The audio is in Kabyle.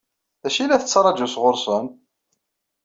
D acu i la tettṛaǧu sɣur-sen?